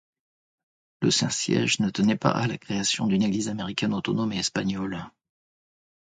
Le Saint-Siège ne tenait pas à la création d'une Église américaine autonome et espagnole.